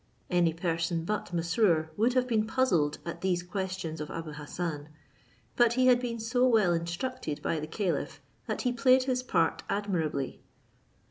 Any person but Mesrour would have been puzzled at these questions of Abou Hassan; but he had been so well instructed by the caliph, that he played his part admirably.